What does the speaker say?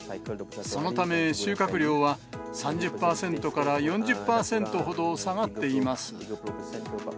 そのため、収穫量は３０％から４０％ほど下がっています。